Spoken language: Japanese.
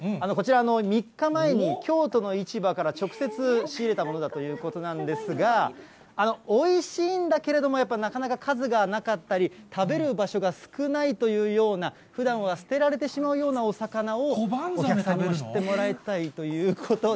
３日前に京都の市場から直接仕入れたものだということなんですが、おいしいんだけれども、やっぱなかなか数がなかったり、食べる場所が少ないというような、ふだんは捨てられてしまうようなお魚をお客さんにも知ってもらいたいということで。